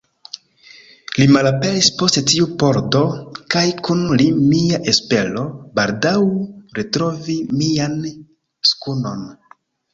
Li malaperis post tiu pordo kaj kun li mia espero, baldaŭ retrovi mian skunon.